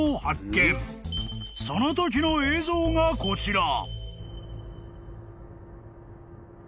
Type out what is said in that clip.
［そのときの映像がこちら］